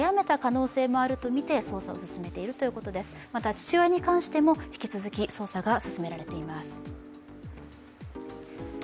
父親に関しても引き続き捜査が進められています。